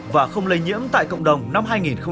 và không lây nhiễm tại cộng đồng năm hai nghìn một mươi tám